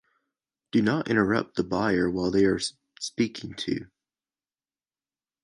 Do not interrupt the buyer while they are speaking to.